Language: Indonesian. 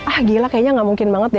ah gila kayaknya gak mungkin banget ya